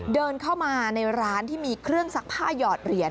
เดินเข้ามาในร้านที่มีเครื่องซักผ้าหยอดเหรียญ